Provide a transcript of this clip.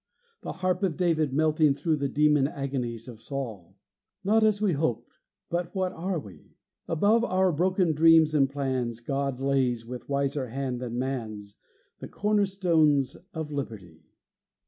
The harp of David melting through The demon agonies of Saul! Not as we hoped; but what are we? Above our broken dreams and plans God lays, with wiser hand than man's, The corner stones of liberty.